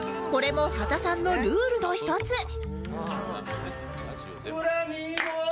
これも波田さんのルールの一つ